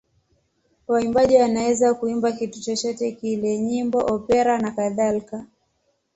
Waimbaji wanaweza kuimba kitu chochote kile: nyimbo, opera nakadhalika.